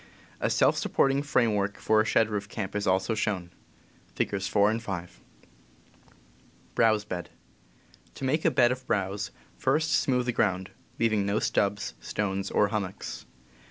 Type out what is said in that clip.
A self supporting framework for a shed roof camp is also shown. (Figs. 4 and 5.) To make a bed of browse, first smooth the ground, leaving no stubs, stones, or hummocks.